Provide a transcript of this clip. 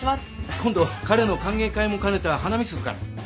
今度彼の歓迎会も兼ねた花見するから。